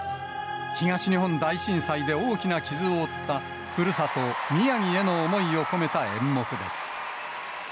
東日本大震災で大きな傷を負ったふるさと、宮城への思いを込めた演目です。